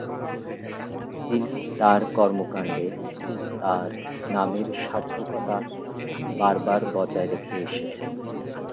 তিনি তাঁর কর্মকাণ্ডে তাঁর নামের সার্থকতা বার বার বজায় রেখে এসেছেন।